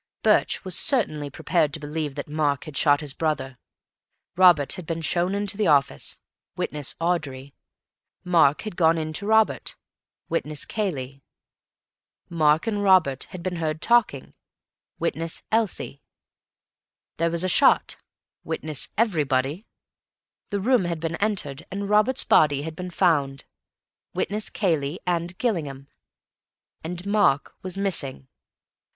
Birch was certainly prepared to believe that Mark had shot his brother. Robert had been shown into the office (witness Audrey); Mark had gone in to Robert (witness Cayley); Mark and Robert had been heard talking (witness Elsie); there was a shot (witness everybody); the room had been entered and Robert's body had been found (witness Cayley and Gillingham). And Mark was missing.